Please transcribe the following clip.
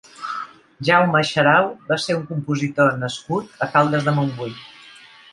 Jaume Xarau va ser un compositor nascut a Caldes de Montbui.